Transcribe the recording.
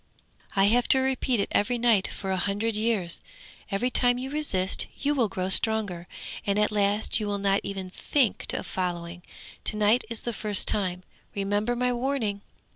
I have to repeat it every night for a hundred years. Every time you resist, you will grow stronger, and at last you will not even think of following. To night is the first time. Remember my warning!'